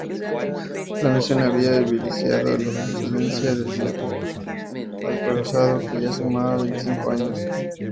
La misión había evidenciado la obsolescencia del viejo acorazado, que ya sumaba veinticinco años.